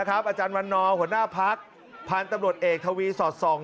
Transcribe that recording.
อาจารย์วันนอหัวหน้าพักพันธุ์ตำรวจเอกทวีสอดส่อง